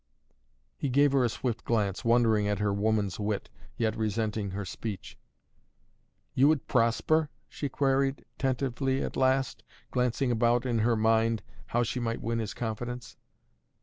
He gave her a swift glance, wondering at her woman's wit, yet resenting her speech. "You would prosper?" she queried tentatively at last, casting about in her mind, how she might win his confidence.